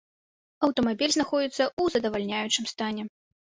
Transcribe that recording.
Аўтамабіль знаходзіцца ў задавальняючым стане.